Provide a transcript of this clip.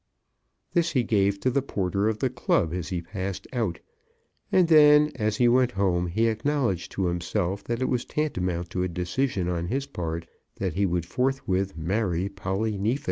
This he gave to the porter of the club as he passed out; and then, as he went home, he acknowledged to himself that it was tantamount to a decision on his part that he would forthwith marry Polly Neefit.